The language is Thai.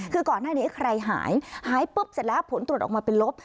คือก่อนหน้านี้ใครหายหายปุ๊บเสร็จแล้วผลตรวจออกมาเป็นลบ